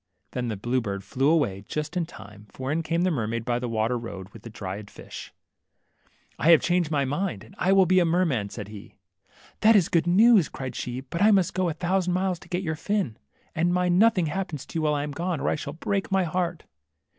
Then the blue bird flew aiway, just in time ; for in came the mermaid by the water road, with the dried fish. have changed my mind, and will be a merman," said he. That is good news ;" cried she, but I must go THE MERMAID. 11 a thousand miles to get your fin, and mind noth ing happens to you while I am gone, or I shall break my heart."